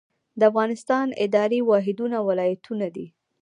د افغانستان اداري واحدونه ولایتونه دي